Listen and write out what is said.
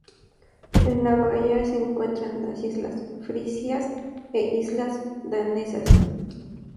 En la bahía se encuentran las islas Frisias e islas Danesas.